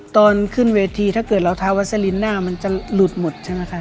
ตอนขึ้นเวทีถ้าเกิดเราทาวัสลินหน้ามันจะหลุดหมดใช่ไหมคะ